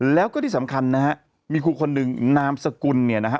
แล้วก็ที่สำคัญนะฮะมีครูคนหนึ่งนามสกุลเนี่ยนะฮะ